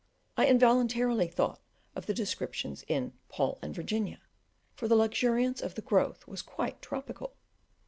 I involuntarily thought of the descriptions in "Paul and Virginia," for the luxuriance of the growth was quite tropical.